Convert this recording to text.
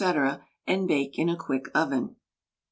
and bake in a quick oven.